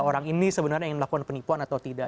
orang ini sebenarnya ingin melakukan penipuan atau tidak